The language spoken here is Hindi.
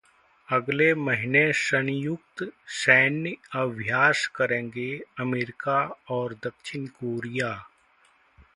अगले महीने संयुक्त सैन्य अभ्यास करेंगे अमेरिका और दक्षिण कोरिया